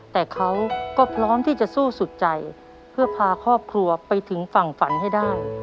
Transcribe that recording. แต่เขาก็พร้อมที่จะสู้สุดใจเพื่อพาครอบครัวไปถึงฝั่งฝันให้ได้